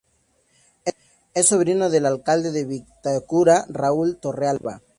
Es sobrino del Alcalde de Vitacura, Raúl Torrealba.